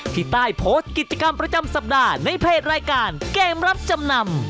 ที่ใต้โพสต์กิจกรรมประจำสัปดาห์ในเพจรายการเกมรับจำนำ